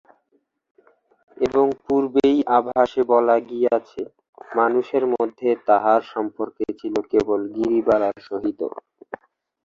এবং পূর্বেই আভাসে বলা গিয়াছে, মানুষের মধ্যে তাঁহার সম্পর্ক ছিল কেবল গিরিবালার সহিত।